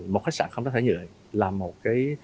một khách sạn không rác thải nhựa là một cái